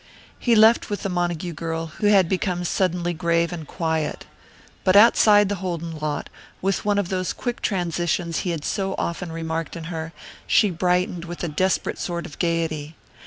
He left with the Montague girl, who had become suddenly grave and quiet. But outside the Holden lot, with one of those quick transitions he had so often remarked in her, she brightened with a desperate sort of gaiety.